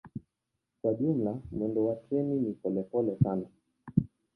Kwa jumla mwendo wa treni ni polepole sana.